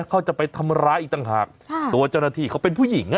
เขาจะไปทำร้ายอีกต่างหากตัวเจ้าหน้าที่เขาเป็นผู้หญิงอ่ะ